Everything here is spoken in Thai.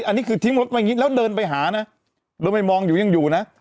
อันนี้คือทิ้งรถไว้อย่างนี้แล้วเดินไปหานะเดินไปมองอยู่ยังอยู่นะ